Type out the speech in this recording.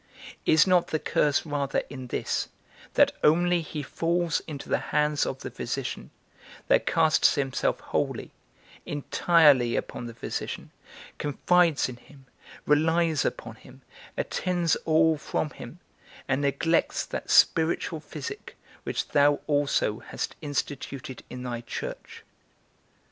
Is not the curse rather in this, that only he falls into the hands of the physician, that casts himself wholly, entirely upon the physician, confides in him, relies upon him, attends all from him, and neglects that spiritual physic which thou also hast instituted in thy church.